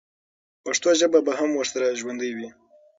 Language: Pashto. پښتو ژبه به هم ورسره ژوندۍ وي.